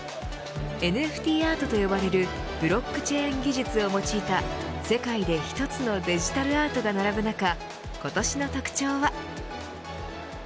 ＮＦＴアートと呼ばれるブロックチェーン技術を用いた世界で１つのデジタルアートが並ぶ中今年の特徴は。